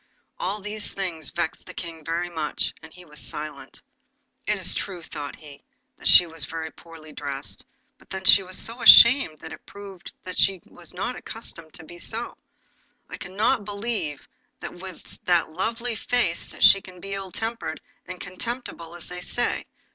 All these things vexed the King very much, and he was silent. 'It is true,' thought he, 'that she was very poorly dressed, but then she was so ashamed that it proves that she was not accustomed to be so. I cannot believe that with that lovely face she can be as ill tempered and contemptible as they say.